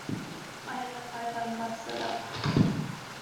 I had that five thousand bucks sewed up!